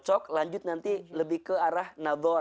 cocok lanjut nanti lebih ke arah nazar